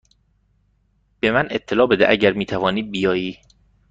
به من اطلاع بده اگر می توانی بیایی.